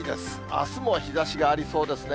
あすも日ざしがありそうですね。